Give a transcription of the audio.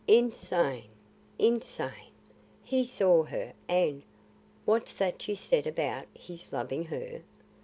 Insane! Insane! He saw her and What's that you said about his loving her?